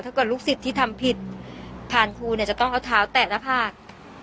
ลูกศิษย์ที่ทำผิดผ่านครูเนี่ยจะต้องเอาเท้าแตะหน้าผาก